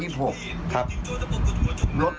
คนที่โดนไล่นะครับเดี๋ยวเขาซอย๓เลย